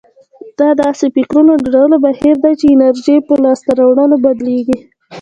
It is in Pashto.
دا داسې فکرونه جوړولو بهير دی چې انرژي يې په لاسته راوړنو بدلېږي.